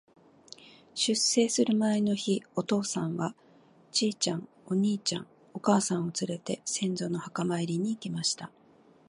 出征する前の日、お父さんは、ちいちゃん、お兄ちゃん、お母さんをつれて、先祖の墓参りに行きました。